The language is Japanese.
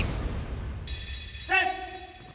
セット！